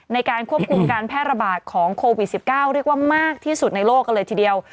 ในการควบคุมการแพร่ระบาดของโควิด๑๙เรียกว่ามากที่สุดในโลกกันเลยทีเดียว